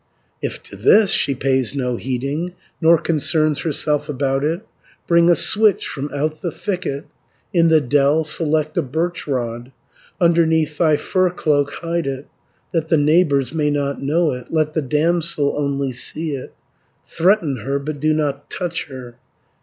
"If to this she pays no heeding, Nor concerns herself about it, 230 Bring a switch from out the thicket, In the dell select a birch rod, Underneath thy fur cloak hide it, That the neighbours may not know it, Let the damsel only see it; Threaten her, but do not touch her.